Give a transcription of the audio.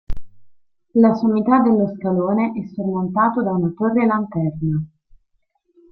La sommità dello scalone è sormontato da una torre lanterna.